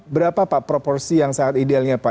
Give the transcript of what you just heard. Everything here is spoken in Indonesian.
berapa pak proporsi yang sangat idealnya pak